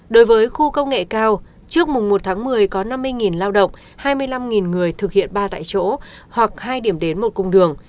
đối với khu công nghệ cao trước mùng một tháng một mươi có năm mươi lao động hai mươi năm người thực hiện ba tại chỗ hoặc hai điểm đến một cung đường